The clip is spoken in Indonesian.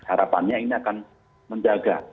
harapannya ini akan menjaga